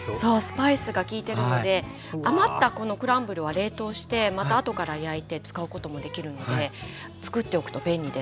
スパイスがきいてるので余ったこのクランブルは冷凍してまたあとから焼いて使うこともできるのでつくっておくと便利です。